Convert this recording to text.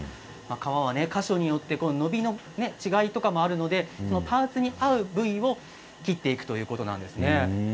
革、箇所によって伸びの違いとかもあるのでパーツに合う部分を切っていくということなんですね。